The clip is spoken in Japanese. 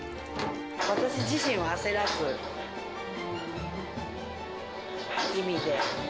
私自身を焦らす意味で。